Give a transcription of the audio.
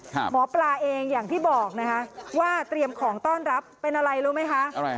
หมอปลาเองอย่างที่บอกนะคะว่าเตรียมของต้อนรับเป็นอะไรรู้ไหมคะ